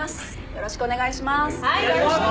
よろしくお願いします！